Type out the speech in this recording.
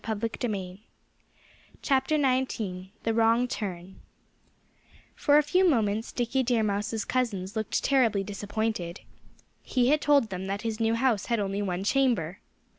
XIX THE WRONG TURN For a few moments Dickie Deer Mouse's cousins looked terribly disappointed. He had told them that his new house had only one chamber.